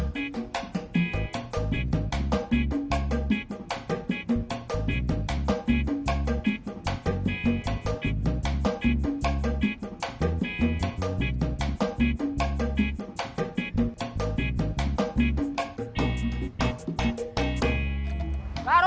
sampai jumpa di video selanjutnya